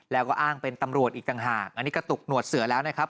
แล้วก็อ้างเป็นตำรวจอีกต่างหากอันนี้กระตุกหนวดเสือแล้วนะครับ